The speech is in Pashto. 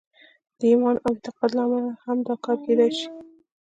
د ایمان او اعتقاد له امله هم دا کار کېدای شي